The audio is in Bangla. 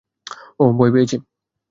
ওহ, ভয় পেয়েছি!